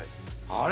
あれ？